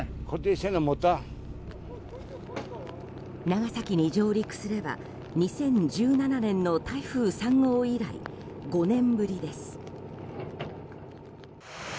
長崎に上陸すれば２０１７年の台風３号以来５年ぶりです。